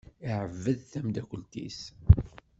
Iεebbeḍ tamdakelt-is.